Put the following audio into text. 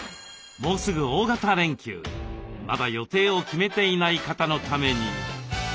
もうすぐ大型連休まだ予定を決めていない方のために。